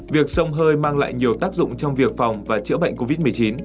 việc sông hơi mang lại nhiều tác dụng trong việc phòng và chữa bệnh covid một mươi chín